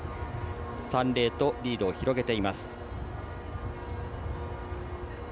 ３−０とリードを広げています。